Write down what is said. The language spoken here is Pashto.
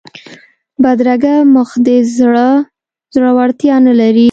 بدرنګه مخ د زړه زړورتیا نه لري